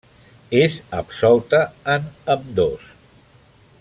ÉS absolta en ambdós.